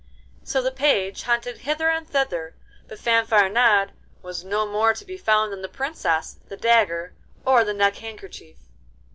So the page hunted hither and thither, but Fanfaronade was no more to be found than the Princess, the dagger, or the neck handkerchief!